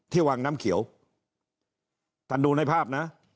วังน้ำเขียวท่านดูในภาพนะ